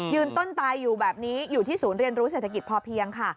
ต้นตายอยู่แบบนี้อยู่ที่ศูนย์เรียนรู้เศรษฐกิจพอเพียงค่ะ